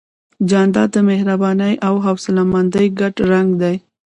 جانداد د مهربانۍ او حوصلهمندۍ ګډ رنګ دی.